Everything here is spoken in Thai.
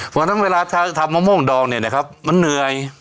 เพราะฉะนั้นเวลาทำมะม่วงดองเนี่ยมันเนย